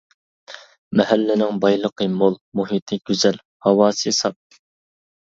مەھەللىنىڭ بايلىقى مول، مۇھىتى گۈزەل، ھاۋاسى ساپ.